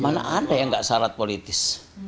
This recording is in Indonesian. mana ada yang nggak syarat politis